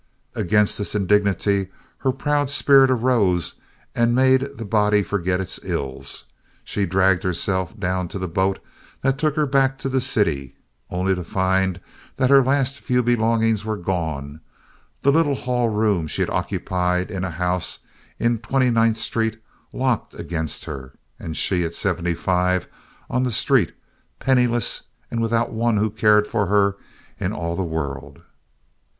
Against this indignity her proud spirit arose and made the body forget its ills. She dragged herself down to the boat that took her back to the city, only to find that her last few belongings were gone, the little hall room she had occupied in a house in Twenty ninth Street locked against her, and she, at seventy five, on the street, penniless, and without one who cared for her in all the world.